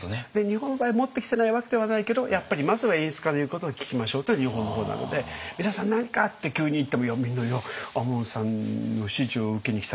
日本の場合持ってきてないわけではないけどやっぱりまずは演出家の言うことを聞きましょうというのが日本の方なので「皆さん何か！」って急に言ってもみんな「いや亞門さんの指示を受けに来たんです」。